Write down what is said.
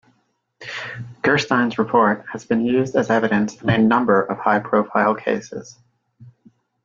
Gerstein's report has been used as evidence in a number of high-profile cases.